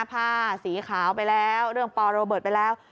ผ้าสีขาวไปแล้วเรื่องปอโรเบิร์ตไปแล้ว